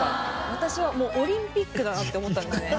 私はオリンピックだなって思ったんですね。